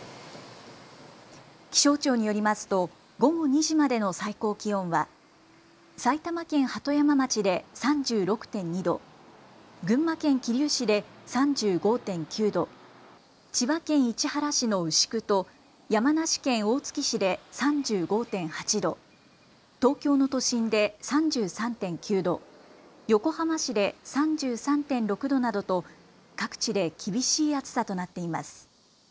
気象庁によりますと午後２時までの最高気温は埼玉県鳩山町で３６．２度、群馬県桐生市で３５．９度、千葉県市原市の牛久と山梨県大月市で３５．８度、東京の都心で３３．９度、横浜市で３３．６度などと各地で厳しい暑さとなっています。